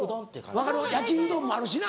分かる焼きうどんもあるしな。